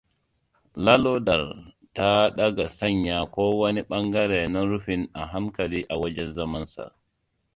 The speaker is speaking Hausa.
Lallodar ta ɗaga sanya ko wane ɓangare na rufin a hankali a wajen zamansa.